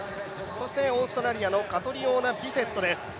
そしてオーストラリアのカトリオーナ・ビセットです。